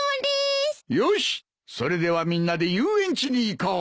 よしそれではみんなで遊園地に行こう。